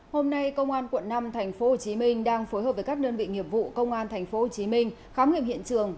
hôm nay công an quận năm tp hcm đang phối hợp với các đơn vị nghiệp vụ công an tp hcm khám nghiệm hiện trường